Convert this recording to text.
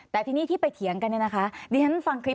แต่ทีนี้ที่ไปเถียงกันนะคะ